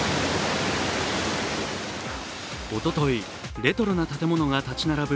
おととい、レトロな建物が立ち並ぶ